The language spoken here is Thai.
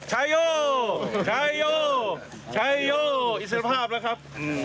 ชายโยชายโยชายโยอิสรภาพแล้วครับ